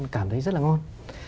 cảm thấy rất là ngon